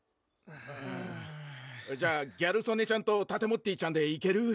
うんじゃあギャル曽根ちゃんとタテモッティちゃんでいける？